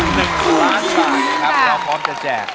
หนึ่งล้านบาทนะครับเราพร้อมจะแจก